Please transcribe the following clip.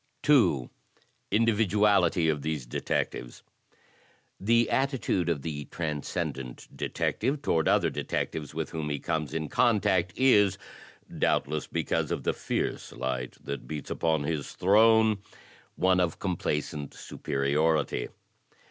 2. Individuality of these Detectives The attitude of the Transcendent Detective toward other detectives with whom he comes in contact, is — doubtless because of the fierce light that beats upon his throne — one of complacent superiority.